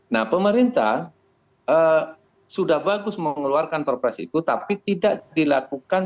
nah pemerintah sudah bagus mengeluarkan perpres itu tapi tidak dilakukan